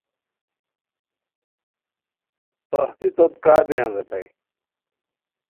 پختی توت کا دویان ریتائے